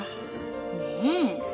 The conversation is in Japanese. ねえ。